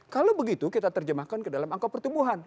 kalau begitu kita terjemahkan ke dalam angka pertumbuhan